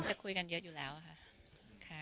จะคุยกันเยอะอยู่แล้วค่ะ